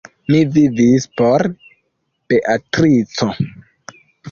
Mi vivis por Beatrico.